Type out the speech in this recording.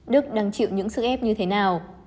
đức đang chịu những sức ép như thế nào